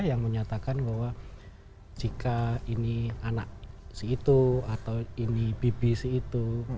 yang menyatakan bahwa jika ini anak si itu atau ini bibi si itu